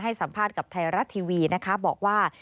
ให้สัมภาษณ์กับไทยรัฐทีวีบอกว่า